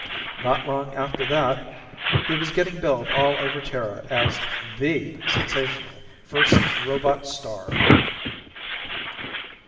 Not long after that he was getting billed all over Terra as the sensational first robot star.